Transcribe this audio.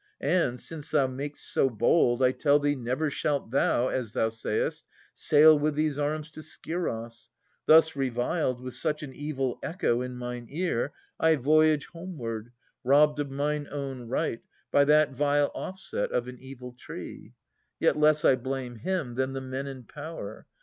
And, since thou mak'st so bold, I tell thee, never shalt thou, as thou sayest. Sail with these arms to Scyros.' — Thus reviled. With such an evil echo in mine ear, I voyage homeward, robbed of mine own right By that vile offset of an evil tree '. Yet less I blame him than the men in power.